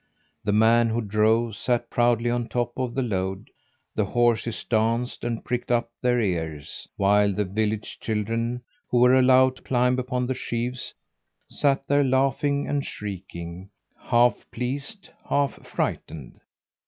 The man who drove sat proudly on top of the load; the horses danced and pricked up their ears, while the village children, who were allowed to climb upon the sheaves, sat there laughing and shrieking, half pleased, half frightened.